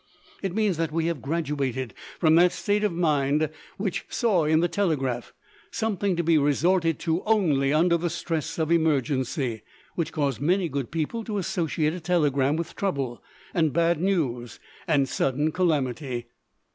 It means that we have graduated from that state of mind which saw in the telegraph something to be resorted to only under the stress of emergency, which caused many good people to associate a telegram with trouble and bad news and sudden calamity.